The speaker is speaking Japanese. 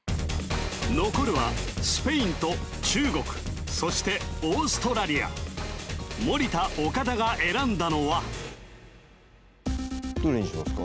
残るはスペインと中国そしてオーストラリア森田岡田が選んだのはどれにしますか？